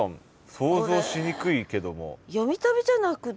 想像しにくいけども。